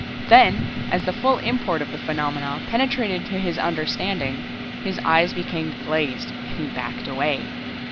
Then, as the full import of the phenomenon penetrated to his understanding, his eyes became glazed and he backed away.